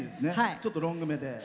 ちょっとロングめで。